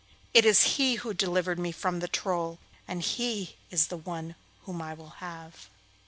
It is he who delivered me from the Troll, and he is the one whom I will have."